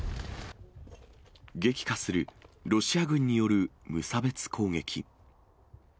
激化するロシア軍による無差別攻撃。